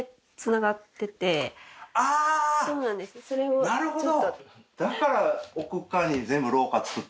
あなるほど。